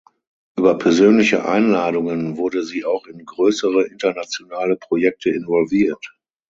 Über persönliche Einladungen wurde sie auch in größere internationale Projekte involviert.